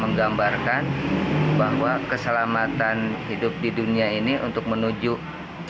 menggambarkan bahwa keselamatan hidup di dunia ini untuk nabi nuh ini untuk mengambil alasanie